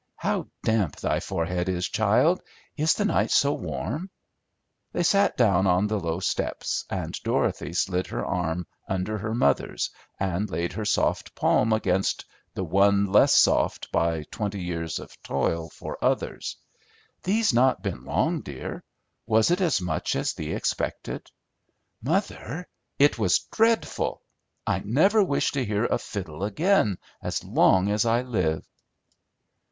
"How damp thy forehead is, child. Is the night so warm?" They sat down on the low steps and Dorothy slid her arm under her mother's and laid her soft palm against the one less soft by twenty years of toil for others. "Thee's not been long, dear; was it as much as thee expected?" "Mother, it was dreadful! I never wish to hear a fiddle again as long as I live."